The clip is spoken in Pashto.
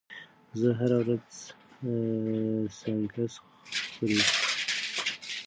زه هره ورځ سنکس خوري.